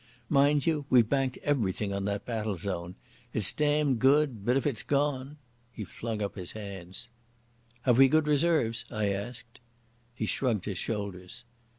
Mind you, we've banked everything on that battle zone. It's damned good, but if it's gone—" He flung up his hands. "Have we good reserves?" I asked. He shrugged his shoulders.